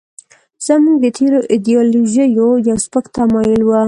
زموږ د تېرو ایډیالوژیو یو سپک تمایل و.